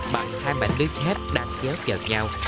bằng hai mảnh lưới thép đặt chéo vào nhau